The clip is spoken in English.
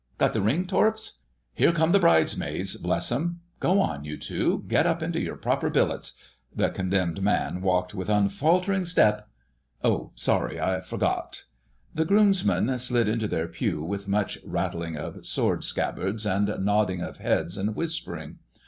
Got the ring, Torps? Here come the Bridesmaids, bless 'em! Go on, you two, get up into your proper billets.... 'The condemned man walked with unfaltering step'—oh, sorry, I forgot...." The Groomsmen slid into their pew with much rattling of sword scabbards and nodding of heads and whispering.